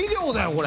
これ。